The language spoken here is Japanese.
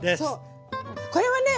これはね